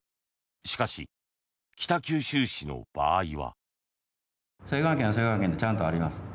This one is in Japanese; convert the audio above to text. しかし、北九州市の場合は。